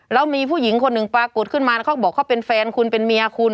แล้วมีผู้หญิงคนหนึ่งปรากฏขึ้นมาเขาบอกเขาเป็นแฟนคุณเป็นเมียคุณ